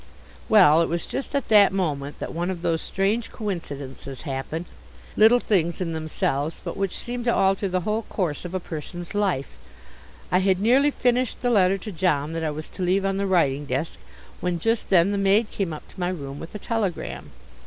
Well, it was just at that moment that one of those strange coincidences happen, little things in themselves, but which seem to alter the whole course of a person's life. I had nearly finished the letter to John that I was to leave on the writing desk, when just then the maid came up to my room with a telegram.